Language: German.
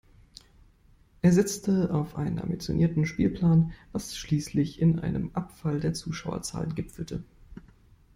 Er setzte auf einen ambitionierten Spielplan, was schließlich in einem Abfall der Zuschauerzahlen gipfelte.